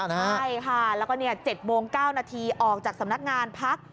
ใช่ค่ะแล้วก็๗โมง๙นาทีออกจากสำนักงานพัก